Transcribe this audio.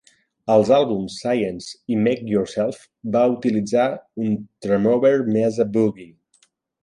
Als àlbums Science i Make Yourself va utilitzar un Tremoverb Mesa Boogie.